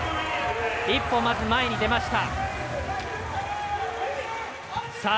一歩前に出ました。